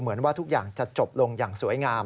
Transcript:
เหมือนว่าทุกอย่างจะจบลงอย่างสวยงาม